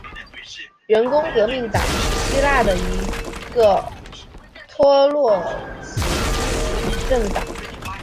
工人革命党是希腊的一个托洛茨基主义政党。